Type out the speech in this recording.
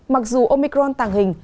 mặc dù omicron tàn hình